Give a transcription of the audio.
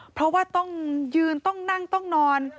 เพราะว่าต้องยืนต้องนั่งต้องนอน